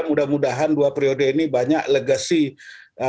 mudah mudahan dua periode ini banyak legasi ya kan